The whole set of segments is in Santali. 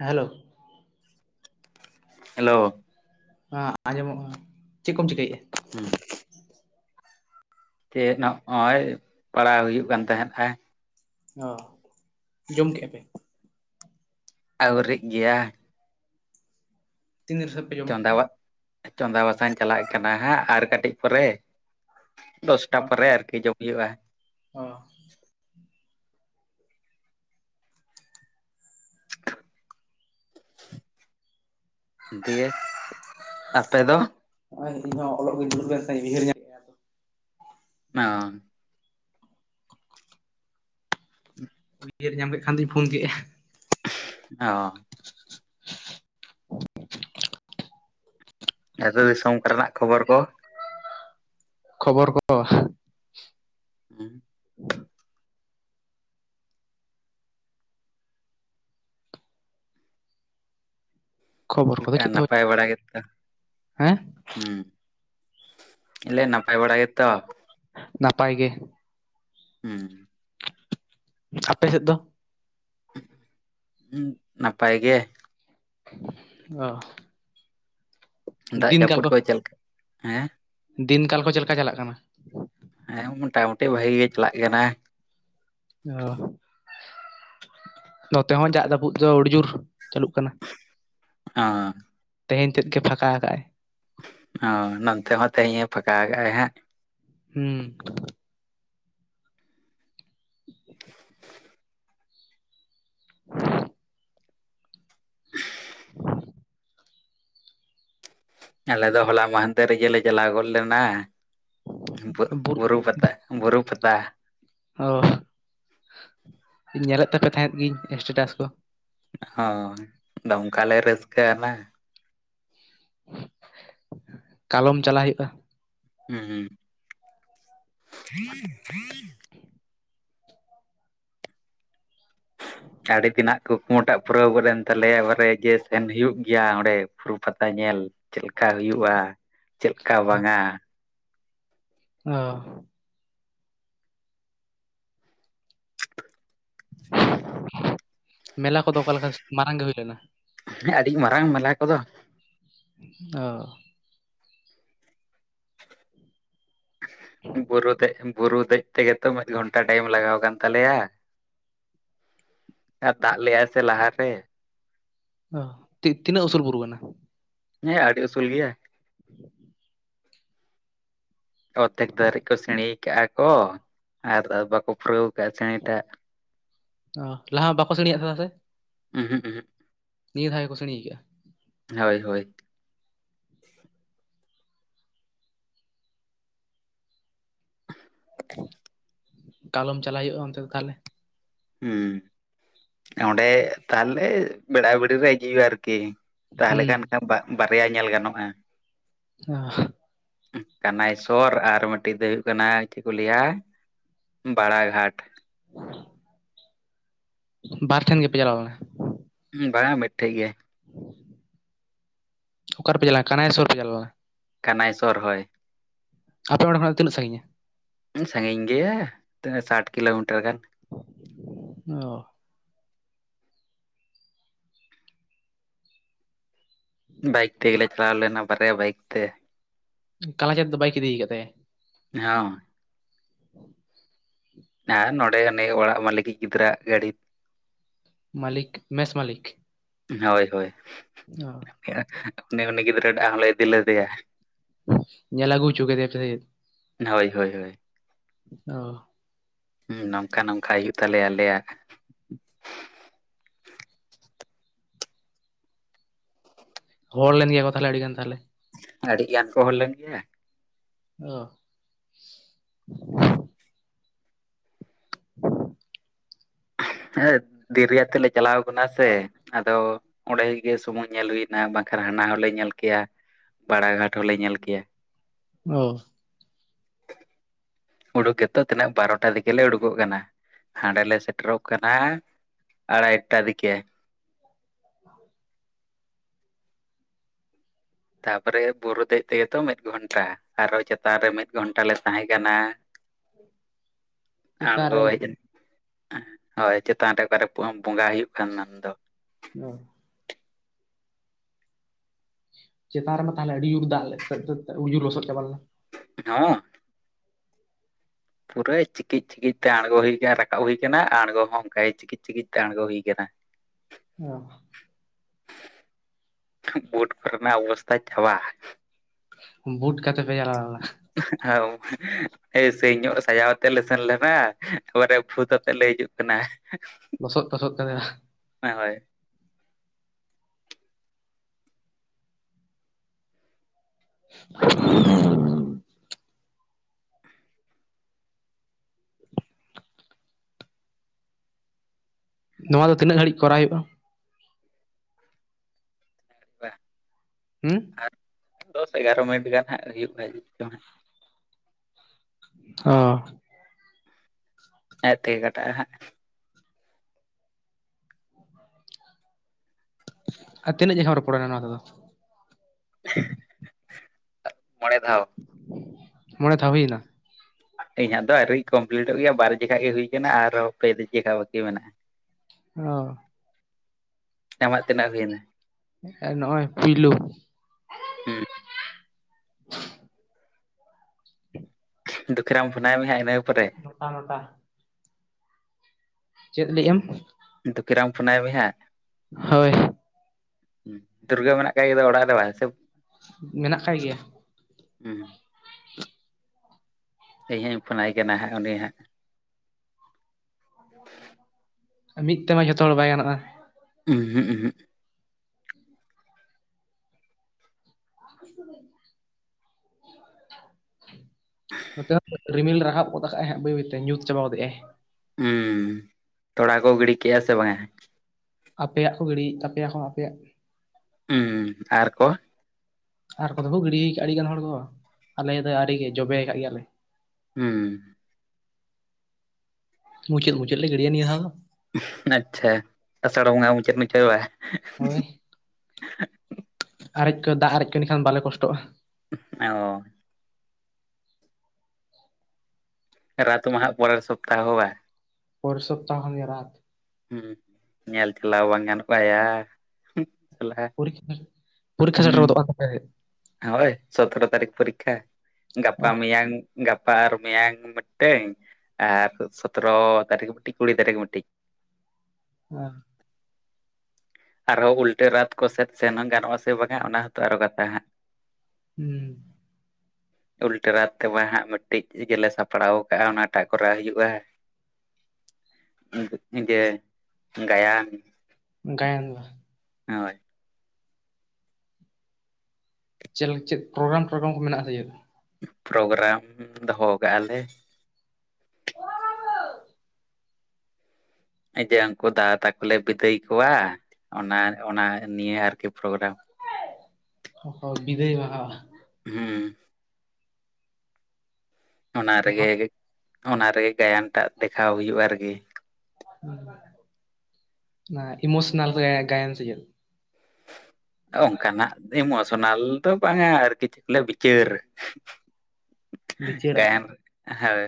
ᱦᱮᱞᱳ ᱦᱮᱞᱳ ᱦᱟᱸ ᱟᱸᱡᱚᱢᱚᱜ ᱠᱟᱱᱟ ᱪᱮᱫ ᱠᱚᱢ ᱪᱤᱠᱟᱹᱭᱮᱫᱼᱟ? ᱦᱩᱸ ᱛᱮ ᱱᱚᱜᱼᱚᱭ ᱯᱟᱲᱦᱟᱣ ᱦᱩᱭᱩᱜ ᱠᱟᱱ ᱛᱟᱦᱮᱸᱫ ᱮᱸ ᱚ ᱡᱚᱢ ᱠᱮᱫᱼᱟ ᱯᱮ? ᱟᱹᱣᱨᱤᱜ ᱜᱮᱭᱟ᱾ ᱛᱤᱱᱟᱜ ᱡᱷᱟ. ᱪᱚᱸᱫᱟ ᱟᱜ ᱪᱚᱸᱫᱟ ᱵᱟᱥᱟᱝ ᱪᱟᱞᱟᱜ ᱠᱟᱱᱟ ᱦᱟᱸᱜ ᱟᱨ ᱠᱟᱹᱴᱤᱡ ᱯᱚᱨᱮ᱾ ᱫᱚᱥᱴᱟ ᱯᱚᱨᱮ ᱟᱨᱠᱤ ᱡᱚᱢ ᱦᱩᱭᱩᱜᱼᱟ᱾ ᱚᱸ ᱫᱤᱭᱮ ᱟᱯᱮ ᱫᱚ? ᱦᱚᱸᱜᱼᱚᱭ ᱤᱧᱦᱚᱸ ᱚᱞᱚᱜ ᱜᱮᱧ ᱫᱩᱲᱩᱵ ᱞᱮᱱ ᱛᱟᱦᱮᱱ ᱩᱭᱦᱟᱹᱨ ᱧᱟᱢ ᱠᱮᱫᱼᱟ ᱟᱫᱚ ᱚᱸ ᱩᱭᱦᱟᱹᱨ ᱧᱟᱢ ᱠᱮᱫ ᱠᱷᱟᱱ ᱫᱚᱧ ᱯᱷᱳᱱ ᱠᱮᱫᱼᱟ᱾ ᱚ [inaudible] ᱟᱹᱛᱩ ᱫᱤᱥᱚᱢ ᱠᱚᱨᱮᱱᱟᱜ ᱠᱷᱚᱵᱚᱨ ᱠᱚ? ᱠᱷᱚᱵᱚᱨ ᱠᱚ ᱦᱩᱸ ᱪᱮᱫ ᱠᱷᱚᱵᱚᱨ ᱠᱚᱫᱚ ᱞᱮᱠᱟ ᱦᱚᱸ ᱱᱟᱯᱟᱭ ᱵᱟᱲᱟ ᱜᱮᱛᱚ? ᱦᱮᱸ ᱦᱩᱸ ᱤᱧ ᱞᱟ. ᱭ ᱫᱟ ᱱᱟᱯᱟᱭ ᱵᱟᱲᱟ ᱜᱮᱛᱚ? ᱱᱟᱯᱟᱭ ᱜᱮ᱾ ᱦᱩᱸ ᱟᱯᱮ ᱥᱮᱫ ᱫᱚ? ᱦᱩᱸ ᱱᱟᱯᱟᱭ ᱜᱮ᱾ ᱚ ᱫᱟᱜ ᱡᱟᱹᱯᱩᱫ ᱠᱚ ᱪᱮᱫ ᱞᱮᱠᱟ ᱦᱮᱸ? ᱫᱤᱱ ᱠᱟᱞ ᱠᱚ ᱪᱮᱫ ᱞᱮᱠᱟ ᱪᱟᱞᱟᱜ ᱠᱟᱱᱟ? ᱦᱮᱸ ᱢᱳᱴᱟᱢᱩᱴᱤ ᱵᱷᱟᱜᱤ ᱜᱮ ᱪᱟᱞᱟᱜ ᱠᱟᱱᱟ᱾ ᱚ ᱱᱚᱛᱮ ᱦᱚᱸ ᱫᱟᱜ ᱡᱟᱹᱯᱩᱫ ᱫᱚ ᱟᱹᱰᱤ ᱡᱳᱨ ᱪᱟᱹᱞᱩᱜ ᱠᱟᱱᱟ᱾ ᱚᱸ ᱛᱮᱦᱮᱧ ᱛᱮᱫ ᱜᱮ ᱯᱷᱟᱸᱠᱟ ᱠᱟᱜᱼᱟᱭ᱾ ᱚ ᱱᱚᱱᱛᱮ ᱦᱚᱸ ᱛᱮᱦᱤᱧ ᱮᱸ ᱯᱷᱟᱠᱟ ᱟᱠᱟᱜᱼᱟᱭ ᱦᱟᱸᱜ᱾ ᱦᱩᱸ [inaudible] ᱟᱞᱮ ᱫᱚ ᱦᱚᱞᱟ ᱢᱟᱦᱟᱱᱫᱮᱨ ᱨᱮᱜᱮ ᱞᱮ ᱪᱟᱞᱟᱣ ᱜᱚᱫ ᱞᱮᱱᱟ ᱵᱩ ᱵᱩᱨ ᱵᱩᱨᱩ ᱯᱟᱛᱟ᱾ ᱵᱩᱨᱩ ᱯᱟᱛᱟ᱾ ᱚᱸ ᱧᱮᱞᱮᱫ ᱛᱟᱯᱮ ᱛᱟᱦᱮᱸᱫ ᱜᱤᱧ ᱥᱴᱮᱴᱟᱥ ᱠᱚ᱾ ᱦᱚᱸ ᱫᱚᱢᱠᱟ ᱞᱮ ᱨᱟᱹᱥᱠᱟ. ᱟᱱᱟ᱾ ᱠᱟᱞᱚᱢ ᱪᱟᱞᱟᱜ ᱦᱩᱭᱩᱜᱼᱟ᱾ ᱦᱩᱸ ᱟᱹᱰᱤ ᱫᱤᱱᱟᱜ ᱠᱩᱠᱢᱩᱴᱟᱜ ᱯᱩᱨᱟᱹᱣ ᱜᱚᱫ ᱮᱱ ᱛᱟᱞᱮᱭᱟ ᱵᱟᱨᱮ ᱡᱮ ᱥᱮᱱ ᱦᱩᱭᱩᱜ ᱜᱮᱭᱟ ᱚᱸᱰᱮ ᱵᱩᱨᱩ ᱯᱟᱛᱟ ᱧᱮᱞ ᱪᱮᱫ ᱞᱮᱠᱟ ᱦᱩᱭᱩᱜᱼᱟ ᱪᱮᱫᱠᱟ ᱵᱟᱝᱼᱟ ᱚ ᱢᱮᱞᱟ ᱠᱚᱫᱚ ᱚᱠᱟ ᱞᱮᱠᱟ ᱢᱟᱨᱟᱝ ᱜᱮ ᱦᱩᱭ ᱞᱮᱱᱟ? ᱦᱮᱸ ᱟᱹᱰᱤ ᱢᱟᱨᱟᱝ ᱢᱮᱞᱟ ᱠᱚᱫᱚ᱾ ᱚ ᱵᱩᱨᱩ ᱫᱮᱡ ᱵᱩᱨᱩ ᱫᱮᱡ ᱛᱮᱜᱮ ᱛᱚ ᱢᱤᱫ ᱜᱷᱚᱱᱴᱟ ᱴᱟᱭᱮᱢ ᱞᱟᱜᱟᱣ ᱠᱟᱱ ᱛᱟᱞᱮᱭᱟ ᱟᱨ ᱫᱟᱜ ᱞᱮᱜᱟᱭ ᱥᱮ ᱞᱟᱦᱟᱨᱮ ᱚ ᱛᱤ ᱛᱤᱱᱟᱹᱜ ᱩᱥᱩᱞ ᱵᱩᱨᱩ ᱠᱟᱱᱟ ᱦᱮᱸ ᱟᱰᱤ ᱩᱥᱩᱞ ᱜᱮᱭᱟ ᱚᱨᱫᱷᱮᱠ ᱫᱷᱟᱹᱨᱤ ᱠᱚ ᱥᱤᱬᱤᱸᱥ ᱠᱟᱜᱼᱟ ᱠᱚ ᱟᱨ ᱵᱟᱠᱩ ᱯᱩᱨᱟᱹᱣ ᱠᱟᱜᱼᱟ ᱥᱤᱬᱤ ᱴᱟᱜ ᱚ ᱞᱟᱦᱟ ᱵᱟᱠᱚ ᱥᱤᱬᱤ-ᱟ ᱥᱮ ᱩᱸᱦᱩᱸᱜ ᱩᱦᱩᱸᱜ ᱱᱤᱭᱟᱹ ᱫᱷᱟᱣ ᱜᱮ ᱠᱚ ᱥᱤᱬᱤ ᱠᱟᱜᱼᱟ ᱦᱳᱭ ᱦᱳᱭ ᱠᱟᱞᱚᱢ ᱪᱟᱞᱟᱣ ᱦᱩᱭᱩᱜᱼᱟ ᱚᱱᱛᱮ ᱫᱚ ᱛᱟᱦᱚᱞᱮ ᱦᱩᱸ ᱚᱸᱰᱮ ᱛᱟᱦᱚᱞᱮ ᱵᱮᱲᱟᱵᱲᱤ ᱨᱮ ᱦᱮᱡ ᱦᱩᱭᱩᱜ - ᱟ ᱟᱨᱠᱤ ᱛᱟᱦᱚᱞᱮ ᱠᱷᱟᱱ ᱦᱩᱸ ᱠᱷᱟᱱ ᱵᱟ-ᱵᱟᱨᱭᱟ ᱧᱮᱞ ᱜᱟᱱᱚᱜᱼᱟ ᱚ ᱠᱟᱱᱟᱭ ᱥᱚᱨ ᱟᱨ ᱢᱤᱫᱴᱤᱡ ᱫᱚ ᱦᱩᱭᱩᱜ ᱠᱟᱱᱟ ᱪᱮᱫ ᱠᱚ ᱞᱟᱹᱭᱟ ᱵᱟᱲᱟᱜᱷᱟᱴ [inaudible] ᱵᱟᱨ ᱴᱷᱮᱱ ᱜᱮᱯᱮ ᱪᱟᱞᱟᱣ ᱞᱮᱱᱟ ᱵᱟᱝ-ᱟ ᱢᱤᱫᱴᱷᱮ ᱜᱮ ᱚᱠᱟ ᱨᱮ ᱯᱮ ᱪᱟᱞᱟ ᱠᱟᱱᱟᱭᱥᱚᱨ ᱯᱮ ᱪᱟᱞᱟᱣᱼᱞᱮᱱᱟ ᱠᱟᱱᱟᱭ ᱥᱚᱨᱚᱨᱮ ᱟᱯᱮ ᱚᱲᱟᱜ ᱠᱷᱚᱱ ᱛᱤᱱᱟᱹᱜ ᱥᱟᱺᱜᱤᱧ-ᱟ ᱥᱟᱺᱜᱤᱧ ᱜᱮᱭᱟ ᱛᱱᱟᱹ ᱥᱟᱴᱷ ᱠᱤᱞᱳᱢᱤᱴᱟᱨ ᱜᱟᱱ ᱚ ᱵᱟᱭᱤᱠ ᱛᱮᱜᱮᱞᱮ ᱪᱟᱞᱟᱣ ᱞᱮᱱᱟ ᱵᱟᱨᱭᱟ ᱵᱟᱭᱤᱠ ᱛᱮ ᱠᱟᱞᱟᱪᱟᱸᱫ ᱫᱚ ᱵᱟᱭᱤᱠ ᱤᱫᱤ ᱠᱟᱫ ᱛᱟᱭᱟᱭ ᱦᱮᱸᱳ ᱦᱮᱸ ᱱᱚᱸᱰᱮ ᱱᱟᱱᱤᱡ ᱚᱲᱟᱜ ᱢᱟᱹᱞᱤᱠᱤᱡ ᱜᱤᱫᱽᱨᱟᱹᱟᱜ ᱜᱟᱹᱰᱤ ᱢᱟᱹᱞᱤᱠ ᱢᱮᱥ ᱢᱟᱹᱞᱤᱠ ᱦᱳᱭ ᱦᱳᱭ ᱚ ᱮᱷ-ᱮᱳ ᱩᱱᱤ ᱢᱟᱹᱱᱤᱠ ᱜᱤᱫᱽᱨᱟᱹ ᱴᱟᱜ ᱦᱚᱸᱞᱮ ᱤᱫᱤ ᱞᱮᱫᱮᱭᱟ ᱧᱮᱞ ᱟᱜᱩ ᱦᱚᱪᱚ ᱠᱮᱫᱮᱭᱟ ᱯᱮ ᱥᱮ ᱪᱮ ᱦᱳᱭ ᱦᱳᱭ ᱦᱳᱭ ᱚ ᱱᱚᱝᱠᱟ ᱱᱚᱝᱠᱟ ᱦᱳᱭᱳᱜ ᱛᱟᱞᱮᱭᱟ ᱟᱞᱮᱭᱟᱜ ᱦᱚᱲ ᱞᱮᱱ ᱜᱮ ᱠᱚ ᱛᱟᱦᱚᱞᱮ ᱟᱹᱰᱤ ᱜᱟᱱ ᱛᱟᱦᱚᱞᱮ ᱟᱹᱰᱤ ᱜᱟᱱ ᱠᱚ ᱦᱚᱲ ᱞᱮᱱ ᱜᱮᱭᱟ ᱚᱷ ᱦᱮᱸ ᱫᱮᱨᱤᱭᱟ ᱛᱮᱞᱮ ᱪᱟᱞᱟᱣ ᱠᱟᱱᱟ ᱥᱮ ᱟᱫᱚ ᱚᱸᱰᱮᱜ ᱜᱮ ᱥᱩᱢᱩᱝ ᱧᱮᱞ ᱦᱩᱭᱱᱟ ᱵᱟᱠᱷᱟᱱ ᱦᱟᱱᱟ ᱦᱚᱞᱮ ᱧᱮᱞ ᱠᱮᱭᱟ ᱵᱟᱲᱟᱜᱷᱟᱴ ᱦᱚᱞᱮ ᱧᱮᱞ ᱠᱮᱭᱟ ᱚ ᱩᱰᱩᱠ ᱜᱮᱛᱚ ᱛᱤᱱᱟᱹᱜ ᱵᱟᱨᱚᱴᱟ ᱫᱤᱠᱮ ᱞᱮ ᱩᱰᱩᱠᱚᱜ ᱠᱟᱱᱟ ᱦᱟᱸᱰᱮ ᱞᱮ ᱥᱮᱴᱮᱨᱚᱜ ᱠᱟᱱᱟ ᱟᱲᱟᱭᱴᱟ ᱫᱤᱠᱮ ᱛᱟᱯᱚᱨᱮ ᱵᱩᱨᱩ ᱫᱮᱡ ᱛᱮᱜᱮ ᱛᱚ ᱢᱤᱫ ᱜᱷᱚᱱᱴᱟ ᱟᱨᱦᱚ ᱪᱮᱛᱟᱱ ᱨᱮ ᱢᱤᱫ ᱜᱷᱚᱱᱴᱟ ᱞᱮ ᱛᱟᱦᱮᱸ ᱠᱟ ᱱᱟ ᱦᱮ [inaudible] ᱟᱬᱜᱚ ᱦᱮᱡᱮᱱ ᱦᱳᱭ ᱪᱮᱛᱟᱱ ᱨᱮ ᱚᱠᱟᱨᱮ ᱵᱚᱸᱜᱟ ᱦᱩᱭᱩᱜ ᱠᱟᱱᱟᱱ ᱫᱚ ᱚᱷ ᱪᱮᱛᱟᱱ ᱨᱮᱢᱟ ᱛᱟᱦᱚᱞᱮ ᱟᱹᱰᱤ ᱩᱡᱳᱨ ᱫᱟᱜ ᱞᱮ ᱟᱹᱰᱤ ᱡᱳᱨ ᱞᱚᱥᱚᱫ ᱪᱟᱵᱟ ᱞᱮᱱᱟ ᱦᱚᱸ ᱯᱩᱨᱟᱹ ᱪᱤᱠᱤᱡ ᱪᱤᱠᱤᱡ ᱛᱮ ᱟᱬᱜᱚ ᱦᱩᱭ ᱠᱟ ᱨᱟᱠᱟᱵ ᱦᱩᱭ ᱟᱠᱟᱱᱟ ᱟᱬᱜᱚ ᱦᱚᱸ ᱚᱱᱠᱟ ᱜᱮ ᱪᱤᱠ ᱪᱤᱠᱤᱛ ᱛᱮ ᱟᱬᱜᱚ ᱦᱩᱭ ᱟᱠᱟᱱᱟ ᱚᱦ ᱵᱩᱴ ᱠᱚᱨᱮ ᱱᱟᱜ ᱚᱵᱚᱥᱛᱷᱟ ᱪᱟᱵᱟ ᱵᱩᱴ ᱠᱟᱛᱮ ᱯᱮ ᱡᱟᱞᱟᱣ ᱞᱟ ᱦ ᱥᱮᱭ ᱧᱚᱜ ᱥᱟᱡᱟᱣ ᱠᱟᱛᱮ ᱞᱮ ᱥᱮᱱ ᱞᱮᱱᱟ ᱮᱠᱵᱟᱨᱮ ᱵᱷᱩᱛ ᱟᱛᱮᱫ ᱞᱮ ᱦᱤᱡᱩᱜ ᱠᱟᱱᱟ᱾ ᱞᱚᱥᱚᱜ ᱛᱟᱥᱚᱜ ᱠᱟᱱᱟ ᱦᱮᱸ ᱦᱳᱭ [inaudible] ᱱᱚᱣᱟ ᱫᱚ ᱛᱤᱱᱟᱹᱜ ᱜᱷᱟᱹᱲᱤᱡ ᱠᱚᱨᱟᱣ ᱦᱩᱭᱩᱜᱼᱟ ᱦᱩᱸ ᱟᱨ [inaudible] ᱫᱚᱥ ᱮᱜᱟᱨᱚ ᱢᱤᱱᱤᱴ ᱜᱟᱱ ᱦᱟᱸᱜ ᱦᱩᱭᱩᱜᱼᱟ ᱡ ᱠᱷᱟᱜ ᱦᱟᱜ ᱚ ᱟᱡ ᱛᱮᱜᱮ ᱠᱟᱴᱟᱜᱼᱟ ᱦᱟᱸᱜ [inaudible] ᱟᱨ ᱛᱤᱱᱟᱹᱜ ᱡᱟᱸᱢ ᱨᱚᱯᱚᱲᱮᱱᱟ ᱱᱚᱣᱟ ᱛᱮᱫᱚ ᱢᱚᱬᱮ ᱫᱷᱟᱣ ᱢᱚᱬᱮ ᱫᱷᱟᱣ ᱦᱩᱭᱱᱟ ᱤᱧᱟᱹᱜ ᱫᱚ ᱟᱨᱣᱨᱤ ᱠᱚᱢᱯᱞᱤᱴᱚᱜ ᱜᱮᱭᱟ ᱵᱟᱨ ᱡᱮᱠᱷᱟᱜ ᱜᱮ ᱦᱩᱭᱩ ᱟᱠᱟᱱᱟ ᱟᱨ ᱯᱮ ᱡᱮ ᱠᱷᱚᱡ ᱵᱟᱹᱠᱤ ᱢᱮᱱᱟᱜᱼᱟ ᱚ ᱟᱢᱟᱜ ᱛᱤᱱᱟᱜ ᱦᱩᱭᱱᱟ ᱮ ᱱᱚᱼᱚᱭ ᱯᱤᱞᱩ ᱦᱩᱸ ᱫᱩᱠᱷᱤᱨᱟᱢ ᱯᱷᱚᱱᱟᱭ ᱢᱮ ᱦᱟᱜ ᱤᱱᱟᱹ ᱯᱚᱨᱮ ᱱᱚᱴᱟ ᱱᱚᱴᱟ ᱪᱮᱫ ᱞᱟᱹᱭ-ᱟᱢ ᱫᱩᱠᱷᱤᱨᱟᱢ ᱯᱷᱩᱱᱟᱭ ᱢᱮ ᱦᱟᱜ ᱦᱳᱭ ᱦᱩᱸ ᱫᱩᱨᱜᱟᱹ ᱢᱮᱱᱟᱜ ᱠᱷᱟᱭ ᱫᱟᱜ ᱚᱲᱟᱜ ᱨᱮ ᱵᱟᱝ ᱥᱮ ᱢᱮᱱᱟᱜ ᱠᱟᱭ ᱜᱮᱭᱟ ᱦᱩᱸ ᱤᱧᱦᱚᱸᱧ ᱯᱷᱳᱱᱟᱭ ᱠᱟᱱᱟ ᱦᱟᱸᱜ ᱩᱱᱤ ᱦᱟᱸᱜ᱾ ᱢᱤᱫ ᱛᱮᱢᱟ ᱡᱷᱚᱛᱚ ᱦᱚᱲ ᱵᱟᱭ ᱜᱟᱱᱚᱜᱼᱟ ᱩᱸ ᱦᱩᱸ ᱦᱩ ᱦᱩᱸ [unintelligible] ᱱᱚᱛᱮ ᱦᱚᱸ ᱨᱤᱢᱤᱞ ᱨᱟᱠᱟᱵ ᱜᱚᱫ ᱠᱟᱜ ᱟᱭ ᱵᱟᱹᱭ ᱵᱟᱹᱭᱛᱮ ᱧᱩᱛ ᱪᱟᱵᱟ ᱜᱚᱫᱮᱼᱟᱭ ᱦᱮᱸ ᱛᱚᱲᱟ ᱠᱚ ᱜᱤᱲᱤ ᱠᱮᱫᱼᱟ ᱥᱮ ᱵᱟᱝᱟ? ᱟᱯᱮᱭᱟᱜ ᱠᱚ ᱜᱟᱹᱲᱤᱭ ᱛᱟᱯᱮᱭᱟ ᱦᱚᱸ ᱟᱯᱮᱭᱟᱜ ᱩᱸ ᱟᱨ ᱠᱚ ᱟᱨ ᱠᱚᱫᱚ ᱠᱚᱩ ᱜᱤᱲ ᱟᱠᱫᱼᱟ ᱟᱹᱰᱤ ᱜᱟᱱ ᱦᱚᱲ ᱠᱚ ᱟᱞᱮ ᱫᱚ ᱟᱹᱨᱤ ᱜᱮ ᱡᱚᱵᱮ ᱟᱠᱟᱫ ᱜᱮᱭᱟᱞᱮ ᱦᱩᱸ ᱢᱩᱪᱟᱹᱫ ᱢᱩᱪᱟᱹᱫ ᱞᱮ ᱜᱤᱲᱤᱭᱟ ᱱᱤᱭᱟᱹ ᱫᱷᱟᱣ ᱫᱚ ᱟᱪᱪᱷᱟ ᱟᱥᱟᱲ ᱵᱚᱸᱜᱟ ᱢᱩᱪᱟᱹᱫ ᱢᱩᱪᱟᱹᱫ ᱦᱳᱭ ᱟᱨᱮᱡ ᱠᱚ ᱫᱟᱜ ᱟᱨᱮᱡ ᱠᱚ ᱮᱱᱮᱠᱷᱟᱱ ᱵᱟᱞᱮ ᱠᱚᱥᱴᱚᱜᱼᱟ ᱚ ᱨᱟᱛ ᱢᱟᱦᱟᱜ ᱯᱚᱨᱮᱨ ᱥᱚᱯᱛᱟᱦᱚ ᱵᱟ ᱯᱚᱨᱮᱨ ᱥᱚᱯᱛᱟᱦ ᱠᱷᱚᱱ ᱨᱟᱛ ᱦᱩᱸ ᱧᱮᱞ ᱪᱟᱟᱞᱟᱣ ᱵᱟᱝ ᱜᱟᱱᱚᱜ ᱟᱭᱟ ᱥᱟᱞᱟ ᱯᱚᱨ ᱥᱮ [inaudible] ᱦᱩᱸ ᱥᱮᱛᱮᱨ ᱦᱳᱭ ᱥᱚᱛᱨᱚ ᱛᱟᱨᱤᱠᱷ ᱯᱚᱨᱤᱠᱠᱷᱟ ᱜᱟᱯᱟ ᱚ ᱢᱤᱭᱟᱝ ᱜᱟ ᱜᱟᱯᱟ ᱢᱮᱭᱟᱝ ᱢᱤᱫᱴᱟᱝ ᱟᱨ ᱥᱚᱛᱨᱚ ᱛᱟᱹᱨᱤᱠᱷ ᱢᱤᱫᱴᱤᱡ ᱠᱩᱲᱤ ᱛᱟᱹᱨᱤᱠᱷ ᱢᱤᱫᱴᱤᱡ᱾ ᱟᱦ ᱟᱨᱦᱚᱸ ᱩᱞᱴᱟᱹ ᱨᱟᱛ ᱠᱚ ᱥᱮᱫ ᱥᱮᱱ ᱜᱟᱱᱚᱜᱼᱟ, ᱥᱮ ᱵᱟᱝ-ᱟ ᱚᱱᱟ ᱦᱚᱛᱚ ᱟᱨᱦᱚᱸ ᱠᱟᱛᱷᱟ ᱦᱟᱸᱜ᱾ ᱦᱩᱸ᱾ ᱩᱞᱴᱟᱹ ᱨᱟᱛ ᱛᱮ ᱦᱟᱸᱜ ᱢᱤᱫ ᱴᱤᱡ ᱜᱮᱞᱮ ᱥᱟᱯᱲᱟᱣ ᱠᱟᱜᱼᱟ ᱚᱱᱟ ᱴᱟᱜ ᱠᱚᱨᱟᱣ ᱦᱩᱭᱩᱜᱼᱟ᱾ [unintelligible] ᱜᱟᱭᱟᱱ ᱜᱟᱭᱟᱱ ᱱᱚᱜ-ᱚᱭ ᱪᱮᱞᱮ ᱪᱮᱫ ᱯᱨᱳᱜᱨᱟᱢ ᱴᱨᱳᱜᱨᱟᱢ ᱠᱚ ᱢᱮᱱᱟᱜ-ᱟ ᱥᱮ ᱪᱮᱫ? ᱯᱨᱳᱜᱨᱟᱢ ᱫᱚᱦᱚ ᱠᱟᱜᱼᱟ ᱞᱮ᱾ ᱡᱮ ᱩᱱᱠᱩ ᱫᱟᱫᱟ ᱛᱟᱠᱚ ᱞᱮ ᱵᱤᱫᱟᱹᱭ ᱠᱚᱣᱟ, ᱚᱱᱟ ᱚᱱᱟ ᱱᱤᱭᱟᱹ ᱟᱨᱠᱤ ᱯᱨᱳᱜᱨᱟᱢ᱾ ᱦᱮᱭ ᱦᱚᱭ ᱵᱤᱫᱟᱹᱭᱚᱜ-ᱟ ᱦᱟᱸᱜ ᱦᱩᱸ᱾ ᱚᱱᱟ ᱱᱚᱣᱟ ᱨᱮᱜᱮ ᱚᱱᱟ ᱨᱮᱜᱮ ᱜᱟᱭᱟᱱ ᱴᱟᱜ ᱫᱮᱠᱷᱟᱣ ᱦᱩᱭᱩᱜᱼᱟ ᱟᱨᱠᱤ᱾ [inaudible] ᱚᱱᱟ ᱤᱢᱳᱥᱚᱱᱟᱞ ᱨᱮᱭᱟᱜ ᱜᱟᱭᱟᱱ ᱥᱮ ᱪᱮᱫ? ᱚᱱᱠᱟᱱ ᱟᱜ ᱤᱢᱳᱥᱳᱱᱟᱞ ᱫᱚ ᱵᱟᱝ-ᱟ, ᱟᱨᱠᱤ [unintelligible] ᱵᱤᱪᱟᱹᱨ᱾ ᱵᱤᱪᱟᱹᱨᱟ ᱜᱟᱭᱟᱱ ᱦᱳᱭ,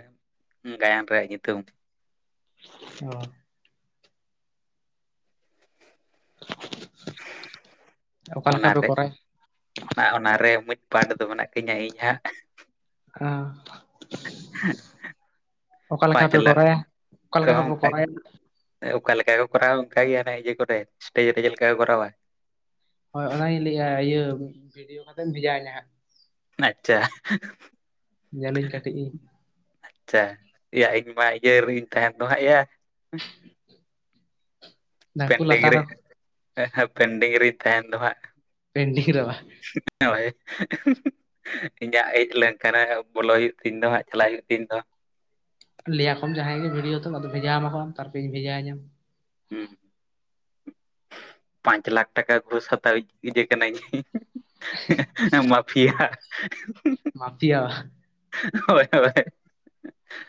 ᱜᱟᱭᱟᱱ ᱨᱮᱭᱟᱜ ᱧᱩᱛᱩᱢ [inaudible] ᱚᱠᱟ ᱞᱮᱠᱟ ᱚᱱᱟ ᱯᱮ ᱨᱮ ᱠᱚᱨᱟᱭ ᱚᱱᱟ ᱚᱱᱟ ᱨᱮ ᱢᱤᱫ ᱯᱟᱨᱴ ᱫᱚ ᱢᱮᱱᱟᱜ ᱛᱤᱧᱟᱹ ᱤᱧ ᱦᱟᱸᱜ᱾ ᱚᱦ [inaudible] ᱚᱠᱟ ᱞᱮᱠᱟ ᱯᱟᱸᱪ ᱯᱮ ᱞᱟᱠᱷ ᱠᱚᱨᱟᱭ-ᱟ, ᱚᱠᱟ ᱛᱮᱦᱚᱸ ᱞᱮᱠᱟ ᱯᱮ ᱚᱱᱠᱟ ᱠᱚᱨᱟᱭ-ᱟ? ᱚᱠᱟ ᱞᱮᱠᱟ ᱠᱚ ᱠᱚᱨᱟᱣ-ᱟ ᱚᱱᱠᱟ ᱜᱮ ᱦᱟᱱᱮ ᱤᱭᱟᱹ ᱠᱚᱨᱮ ᱥᱴᱮᱡᱽ ᱨᱮ ᱪᱮᱫ ᱞᱮᱠᱟ ᱠᱚᱨᱟᱣ-ᱟ᱾ ᱦᱳᱭ ᱚᱱᱟ ᱜᱤᱧ ᱞᱟᱹᱭ ᱮᱜᱼᱟ ᱤᱭᱟᱹ, ᱵᱷᱤᱰᱤᱭᱳ ᱠᱟᱛᱮᱜ ᱮᱢ ᱵᱷᱮᱡᱟ ᱤᱧᱟ ᱦᱟᱸᱜ᱾ ᱟᱪᱪᱷᱟ᱾ ᱧᱮᱞ ᱤᱧ ᱠᱟᱹᱴᱤᱡ ᱤᱧ᱾ ᱟᱪᱪᱷᱟ ᱮᱭᱟ ᱤᱧ ᱢᱟ ᱤᱭᱟᱹ ᱨᱤᱧ ᱛᱟᱦᱮᱱ ᱫᱚ ᱦᱟᱸᱜ ᱭᱟ᱾ [inaudible] ᱯᱮᱱᱰᱤᱝ ᱨᱮ ᱯᱮᱱᱰᱤᱝ ᱨᱤᱧ ᱛᱟᱦᱮᱱ ᱫᱚ ᱦᱟᱸᱜ᱾ ᱯᱮᱱᱰᱤᱝ ᱨᱮ ᱵᱟᱝ [unintelligible] ᱦᱳᱭ ᱤᱧᱟᱜ ᱦᱮᱡ ᱞᱮᱱᱠᱷᱟᱱ ᱦᱟᱸᱜ ᱵᱚᱞᱚ ᱦᱩᱭᱩᱜ ᱛᱤᱧ ᱫᱚ, ᱦᱟᱸᱜ ᱪᱟᱞᱟᱜ ᱦᱩᱭᱩᱜ ᱛᱤᱧ ᱫᱚ᱾ ᱞᱟᱹᱭ ᱟᱠᱚ ᱢᱮ ᱡᱟᱦᱟᱸᱭ ᱜᱮ ᱵᱷᱤᱰᱭᱳ ᱫᱚ ᱟᱫᱚ ᱵᱷᱮᱡᱟᱣ ᱟᱢᱟ ᱠᱚ ᱛᱟᱨᱯᱚᱨᱮ ᱤᱧ ᱵᱷᱮᱡᱟᱣ ᱤᱧᱟᱢ᱾ ᱦᱩᱸ [inaudible] ᱯᱟᱸᱪ ᱞᱟᱠᱷ ᱴᱟᱠᱟ ᱜᱷᱩᱥ ᱦᱟᱛᱟᱣᱤᱡ ᱤᱭᱟᱹ ᱠᱟᱹᱱᱟ. ᱧ᱾ [unintelligible] ᱢᱟᱯᱷᱤᱭᱟ ᱢᱟᱯᱷᱤᱭᱟ ᱦᱳᱭ ᱦᱳᱭ᱾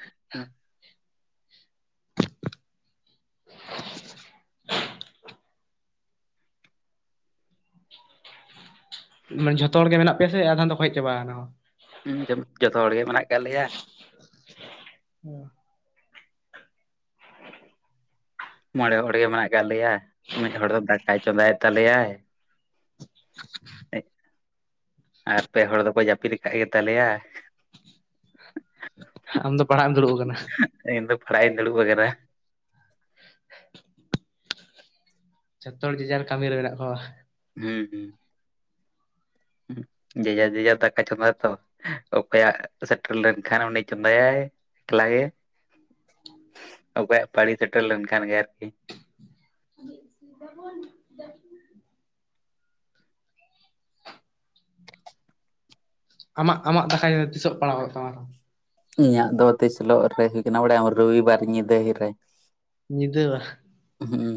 [inaudible] [inaudible] ᱡᱷᱚᱛᱚ ᱦᱚᱲ ᱜᱮ ᱢᱮᱱᱟᱜ ᱯᱮᱭᱟ ᱥᱮ, ᱟᱫᱷᱟᱱ ᱫᱚᱠᱚ ᱦᱮᱡ ᱪᱟᱵᱟ ᱟᱠᱟᱱᱟ ᱠᱚ᱾ ᱡᱚᱢ ᱡᱷᱚᱛᱚ ᱦᱚᱲ ᱜᱮ ᱢᱮᱱᱟᱜ ᱟᱠᱟᱫ ᱞᱮᱭᱟ᱾ ᱦᱩᱸ [inaudible] [inaudible] ᱢᱚᱬᱮ ᱦᱚᱲ ᱜᱮ ᱢᱮᱱᱟᱜ ᱟᱠᱟᱫ ᱞᱮᱭᱟ, ᱢᱤᱫ ᱦᱚᱲ ᱫᱚ ᱫᱟᱠᱟᱭ ᱪᱚᱸᱫᱟᱭᱮᱫ ᱛᱟᱞᱮᱭᱟᱭ᱾ [inaudible] ᱮᱭ ᱟᱨ ᱯᱮ ᱦᱚᱲ ᱫᱚᱠᱚ ᱡᱟᱹᱯᱤᱫ ᱟᱠᱟᱫ ᱜᱮᱛᱟ ᱞᱮᱭᱟ᱾ ᱟᱢ ᱫᱚ ᱯᱟᱲᱦᱟᱜ ᱮᱢ ᱫᱩᱲᱩᱵ ᱟᱠᱟᱱᱟ? ᱤᱧ ᱫᱚ ᱯᱟᱲᱦᱟᱜ ᱤᱧ ᱫᱩᱲᱩᱵ ᱟᱠᱟᱱᱟ᱾ ᱡᱷᱚᱛᱚ ᱦᱚᱲ ᱡᱮ ᱡᱟᱨ ᱠᱟᱹᱢᱤ ᱨᱮ ᱢᱮᱱᱟᱜ ᱠᱚᱣᱟ ᱵᱟ? ᱦᱩᱸ ᱦᱩᱸ᱾ ᱡᱮ ᱡᱟᱨ ᱡᱮ ᱡᱟᱨ ᱫᱟᱠᱟ ᱪᱚᱸᱫᱟ ᱛᱚ᱾ ᱚᱠᱚᱭᱟᱜ ᱥᱮᱴᱮᱨ ᱞᱮᱱᱠᱷᱟᱱ ᱩᱱᱤ ᱪᱚᱸᱫᱟᱭᱟᱭ ᱮᱠᱞᱟ ᱜᱮ ᱚᱠᱚᱭᱟᱜ ᱯᱟᱨᱤ ᱥᱮᱴᱮᱨ ᱞᱮᱱᱠᱷᱟᱱ ᱜᱮ ᱟᱨᱠᱤ [unintelligible] ᱟᱢᱟᱜ ᱟᱢᱟᱜ ᱫᱟᱠᱟ [unintelligible] ᱛᱤᱥᱚᱜ ᱯᱟᱲᱟᱣᱚᱜ ᱛᱟᱢᱟ ᱤᱧᱟᱹᱜ ᱫᱚ ᱛᱤᱥᱤᱞᱚᱜ ᱨᱮ ᱦᱳ ᱠᱟᱱᱟ ᱵᱟᱲ ᱨᱚᱵᱤᱵᱟᱨ ᱧᱤᱫᱟᱹᱦᱤ ᱨᱮ ᱧᱤᱫᱟ. ᱵᱟ ᱦᱩᱸ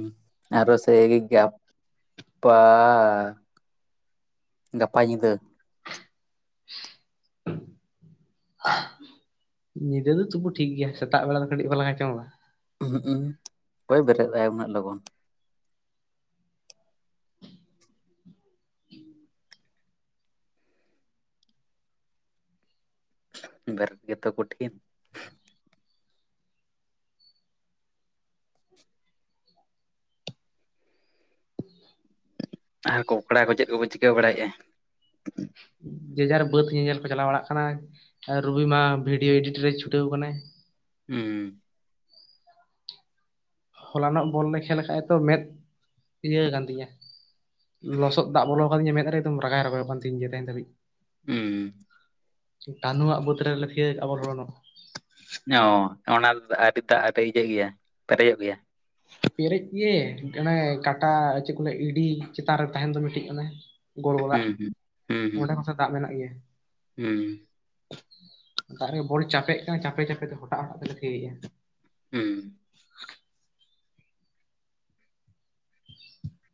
ᱟᱨᱚ ᱥᱮᱜ [unintelligible] ᱜᱟᱯᱟ ᱜᱟᱯᱟ ᱧᱤᱫᱟᱹ ᱦ [inaudible] ᱧᱤᱫᱟᱹ ᱫᱚ ᱛᱩᱚᱵᱩ ᱴᱷᱤᱠ ᱜᱮᱭᱟ ᱥᱮᱛᱟᱜ ᱵᱮᱲᱟ ᱫᱚ ᱠᱟᱹᱴᱤᱡ ᱵᱟᱞᱟ ᱠᱷ ᱪᱚᱢᱟ [unintelligible] ᱚᱠᱚᱭ ᱵᱮᱨᱮᱫ ᱟᱭ ᱩᱱᱟᱹᱜ ᱞᱚᱜᱚᱱ [inaudible] ᱵᱮᱨᱮᱛ ᱜᱮᱛᱚ ᱠᱚᱴᱷᱤᱱ ᱟᱨ ᱠᱚ ᱠᱚᱲᱟ ᱠᱚ ᱪᱮᱫ ᱠᱚᱠᱚ ᱪᱤᱠᱟᱹ ᱵᱟᱲᱟᱭᱮᱫᱼᱟ ᱡᱮ ᱡᱟᱦᱟᱨ ᱵᱟᱹᱫᱽ ᱧᱮᱧᱮᱞ ᱠᱚ ᱪᱟᱞᱟᱣ ᱵᱟᱲᱟᱜ ᱠᱟᱱᱟ ᱨᱚᱵᱤ ᱢᱟ ᱵᱷᱤᱰᱭᱳ ᱮᱰᱤ ᱴᱤᱝ ᱨᱮᱭ ᱪᱷᱩᱴᱟᱹᱣ ᱟᱠᱟᱱᱟᱭ ᱦᱩᱸ ᱦᱚᱞᱟᱱᱚᱜ ᱵᱚᱞ ᱞᱮ ᱠᱷᱮᱞ ᱞᱮ ᱠᱟᱷᱟᱱᱡ ᱛᱚ ᱢᱮᱫ ᱤᱭᱟᱹ ᱟᱠᱟᱱ ᱛᱤᱧᱟᱹ ᱞᱚᱥᱚᱫ ᱫᱟᱜ ᱵᱚᱞᱚ ᱠᱟᱫᱤᱧᱟ ᱢᱮᱫ ᱨᱮ ᱮᱫᱚᱢ ᱨᱟᱜᱟᱭ ᱨᱟᱜᱟᱭ ᱠᱟᱱ ᱛᱤᱦᱤᱧ ᱜᱮ ᱛᱮᱧ ᱫᱷᱟᱹᱵᱤᱡ ᱦᱩᱸᱢ ᱠᱟ [unintelligible] ᱹᱦᱩ ᱟᱜ ᱵᱩᱫ ᱨᱮ ᱞᱮᱠᱷ ᱟᱵᱚ [unintelligible] ᱚ ᱚᱱᱟ ᱟᱨ [unintelligible] ᱫᱟᱜ ᱤᱭᱟᱹᱜ ᱜᱮᱭᱟ ᱯᱮᱨᱮᱡᱚᱜ ᱜᱮᱭᱟ ᱯᱮᱨᱮᱡ ᱜᱮ ᱚᱱᱮ ᱠᱟᱴᱟ ᱪᱮᱫ ᱠᱚ ᱞ ᱤᱰᱤ ᱪᱮᱛᱟᱱ ᱨᱮ ᱛᱟᱦᱮᱱ ᱫᱚ ᱢᱤᱫᱴᱤᱡ ᱚᱱᱮ ᱦᱩᱸ ᱦᱩᱸ ᱦᱩᱸ [unintelligible] ᱚᱸᱰᱮ ᱠᱷᱚᱱ ᱥᱮ ᱫᱟᱜ ᱢᱮᱱᱟᱜ ᱜᱮᱭᱟ ᱦᱩᱸ ᱫᱟᱜ ᱨᱮ ᱵᱚᱞ ᱪᱟᱯᱮᱜ ᱠᱟᱱᱟ ᱪᱟᱯᱮ ᱪᱟᱯᱮ ᱛᱮ ᱦᱚᱴᱟᱜ ᱦᱚᱴᱟᱜ ᱛᱮᱞᱮ ᱛᱷᱤᱭᱮᱜᱼᱟ ᱦᱩᱸ [inaudible]